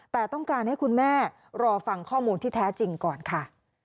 แต่ต้องการให้คุณแม่รอฟังข้อมูลที่แท้จริงก่อนค่ะ